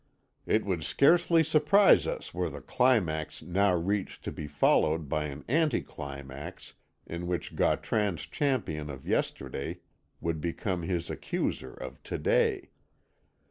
It would scarcely surprise us were the climax now reached to be followed by an anti climax in which Gautran's champion of yesterday would become his accuser of to day.